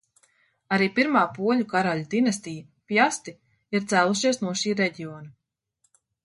Arī pirmā poļu karaļu dinastija – Pjasti – ir cēlušies no šī reģiona.